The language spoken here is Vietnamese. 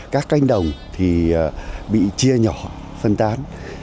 các canh đồng thì bị chia nhỏ phân tán